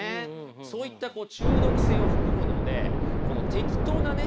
そういった中毒性を含むので難しいことですよね。